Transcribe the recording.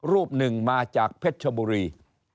รูปหนึ่งมาจากเพชรชบุรี